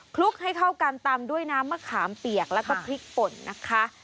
ลุกให้เข้ากันตำด้วยน้ำมะขามเปียกแล้วก็พริกป่นนะคะ